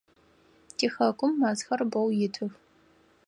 Тихэкум мэзхэр бэу итых.